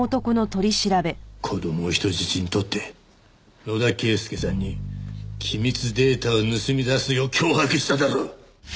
子供を人質にとって野田啓介さんに機密データを盗み出すよう脅迫しただろ！